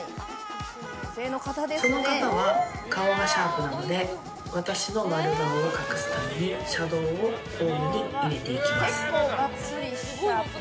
この方は顔がシャープなので私の丸顔を隠すためにシャドーを多めに入れていきます。